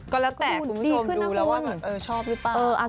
ก็แล้วแต่คุณผู้ชมดูแล้วว่าชอบหรือเปล่า